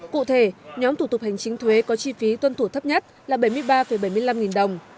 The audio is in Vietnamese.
cụ thể nhóm thủ tục hành chính thuế có chi phí tuân thủ thấp nhất là bảy mươi ba bảy mươi năm nghìn đồng